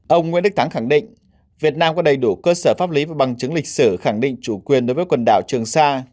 ông nguyễn đức thắng khẳng định việt nam có đầy đủ cơ sở pháp lý và bằng chứng lịch sử khẳng định chủ quyền đối với quần đảo trường sa